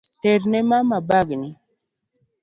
Terne mama bagni